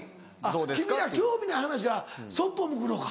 あっ君ら興味ない話はそっぽ向くのか。